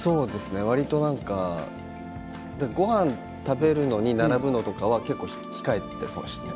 わりとごはん食べるのに並ぶのは控えているかもしれない。